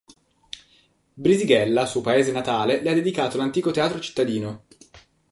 Brisighella, suo paese natale, le ha dedicato l'antico teatro cittadino.